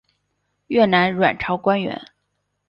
越南阮朝官员。